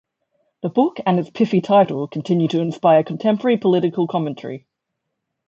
The book, and its pithy title, continue to inspire contemporary political commentary.